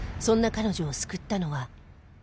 そんな彼女を救ったのは